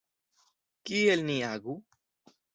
Kiel ni agu?